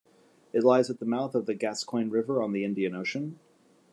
It lies at the mouth of the Gascoyne River on the Indian Ocean.